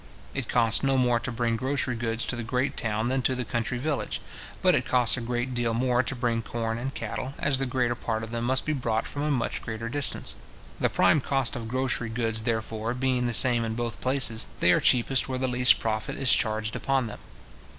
It costs no more to bring grocery goods to the great town than to the country village; but it costs a great deal more to bring corn and cattle, as the greater part of them must be brought from a much greater distance. The prime cost of grocery goods, therefore, being the same in both places, they are cheapest where the least profit is charged upon them.